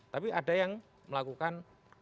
tapi ada yang melakukan